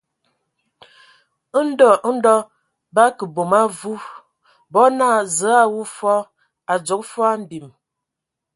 Ndɔ ndɔ bǝ akə bom a avu, bo naa : Zǝə a wu fɔɔ, a dzogo fɔɔ mbim.